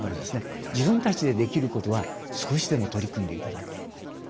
自分たちでできることは少しでも取り組んでいただく。